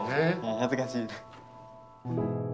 恥ずかしい。